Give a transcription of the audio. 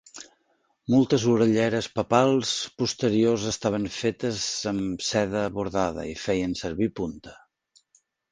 Moltes orelleres papals posteriors estaven fetes amb seda bordada i feien servir punta.